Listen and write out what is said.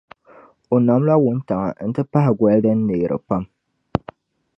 O namla wuntaŋa n-ti pahi goli din neeri pam.